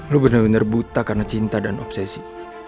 lo bener bener buta karena cinta dan obsesi